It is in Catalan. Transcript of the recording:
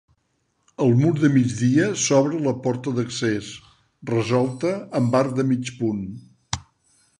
Al mur de migdia s'obre la porta d'accés, resolta en arc de mig punt.